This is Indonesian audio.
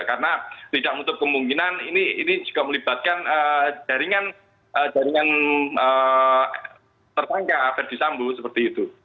karena tidak untuk kemungkinan ini juga melibatkan jaringan terbangga perdisambu seperti itu